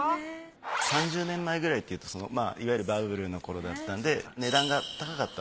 ３０年前くらいっていうといわゆるバブルの頃だったので値段が高かった。